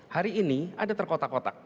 hari ini ada terkotak kotak